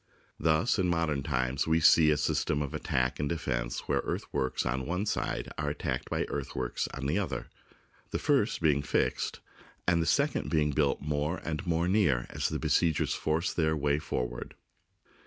Thus in modern times we see a system of attack and defence where earthworks on one side are at tacked by earthworks upon the other, the first being fixed and the second being built more and more near as the besiegers force their way forward.